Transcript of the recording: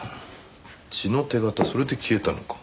血の手形それで消えたのか。